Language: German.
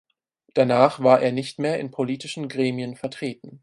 Danach war er nicht mehr in politischen Gremien vertreten.